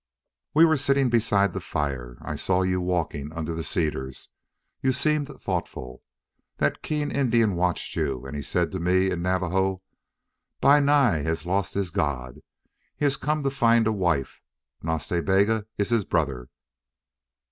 "We were sitting beside the fire. I saw you walking under the cedars. You seemed thoughtful. That keen Indian watched you, and he said to me in Navajo, 'Bi Nai has lost his God. He has come far to find a wife. Nas Ta Bega is his brother.'...